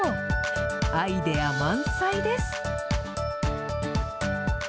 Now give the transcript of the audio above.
アイデア満載です。